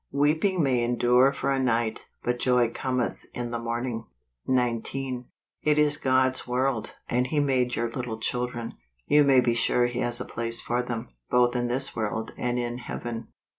il Weeping may endure for a night, hut joy cometh in the morning." 19. It is God's world, and He made your little children. You may be sure He has a place for them, both in this world and in Heaven.